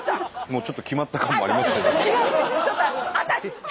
もうちょっと決まった感もありますけども。